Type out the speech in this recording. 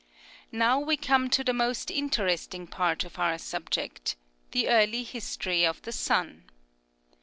'' Now we come to the most interesting part of our subject ŌĆö the early history of the sun.